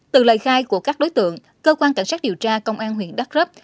từ lời khai của các đối tượng cơ quan cảnh sát điều tra công an huyện đắk rấp